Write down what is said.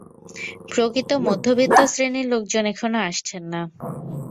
প্রকৃত মধ্যবিত্ত শ্রেণির লোকজন এখনো আসছেন না।